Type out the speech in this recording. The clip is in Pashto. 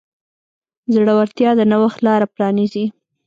زړورتیا د نوښت لاره پرانیزي.